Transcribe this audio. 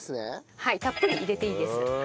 はいたっぷり入れていいです。